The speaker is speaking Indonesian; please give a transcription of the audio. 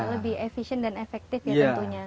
lebih efisien dan efektif ya tentunya